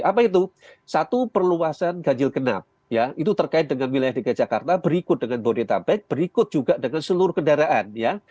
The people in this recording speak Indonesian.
apa itu satu perluasan ganjil genap ya itu terkait dengan wilayah dki jakarta berikut dengan bodetabek berikut juga dengan seluruh kendaraan ya